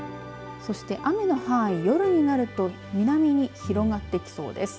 そして雨の範囲、夜になると南に広がってきそうです。